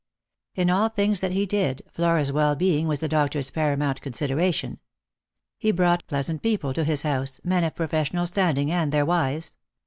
In all things that he did, Flora's well being was the doctor's paramount consideration. He brought pleasant people to his house ; men of professional standing, and their wives.